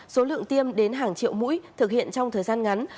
số lượng tiêm đến hàng triệu mũi thực hiện trong thời gian ngắn